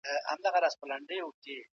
ایا کوچني پلورونکي پسته اخلي؟